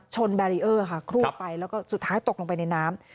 แบรีเออร์ค่ะครูดไปแล้วก็สุดท้ายตกลงไปในน้ำ